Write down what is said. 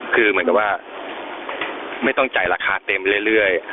คือเหมือนกับว่าไม่ต้องจ่ายราคาเต็มเรื่อย